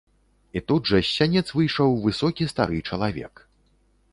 І тут жа з сянец выйшаў высокі стары чалавек.